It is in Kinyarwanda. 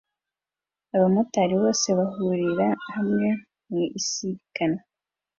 Abamotari bose bahurira hamwe mu isiganwa